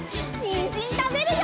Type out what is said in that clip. にんじんたべるよ！